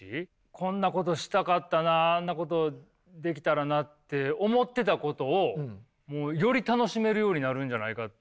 こんなことしたかったなあんなことできたらなって思ってたことをもうより楽しめるようになるんじゃないかって。